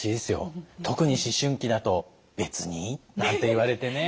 特に思春期だと「別に」なんて言われてね。